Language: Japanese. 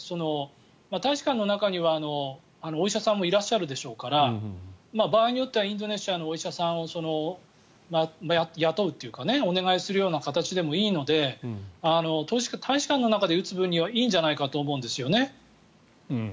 大使館の中にはお医者さんもいらっしゃるでしょうから場合によってはインドネシアのお医者さんを雇うというかお願いする形でもいいので大使館の中で打つ分にはいいんじゃないかと思うんです。